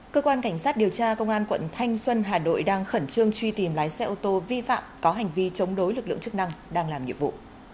cơ quan cảnh sát điều tra công an quận thanh xuân hà nội đang khẩn trương truy tìm lái xe ô tô vi phạm có hành vi chống đối lực lượng chức năng đang làm nhiệm vụ